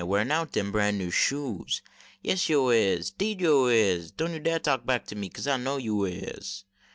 Warin out deni bran new shoes, Yase yo is, deed yo is, Doan yo dar talk back to me, Kase I know yo is.